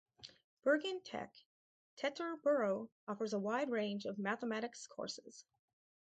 Bergen Tech - Teterboro offers a wide range of mathematics courses.